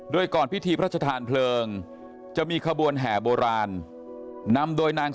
โดยก่อนพิธีพระชธานเพลิงจะมีขบวนแห่โบราณนำโดยนาง